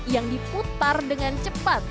yang diputar dengan cepat